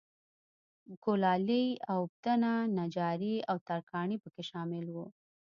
کولالي، اوبدنه، نجاري او ترکاڼي په کې شامل و.